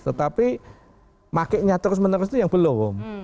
tetapi pakai nya terus menerus itu yang belum